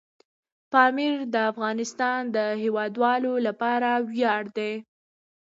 پامیر د افغانستان د هیوادوالو لپاره ویاړ دی.